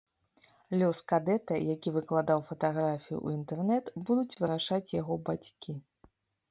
Лёс кадэта, які выклаў фатаграфію ў інтэрнэт, будуць вырашаць яго бацькі.